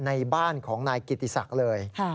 ในบ้านของนายกิติศักดิ์เลย